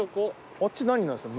あっち何になるんすか？